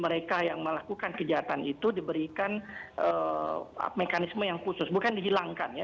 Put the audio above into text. mereka yang melakukan kejahatan itu diberikan mekanisme yang khusus bukan dihilangkan ya